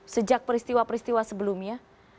sejak peristiwa peristiwa sebelumnya